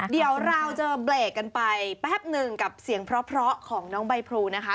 เดี๋ยวเราจะเบรกกันไปแป๊บหนึ่งกับเสียงเพราะของน้องใบพลูนะคะ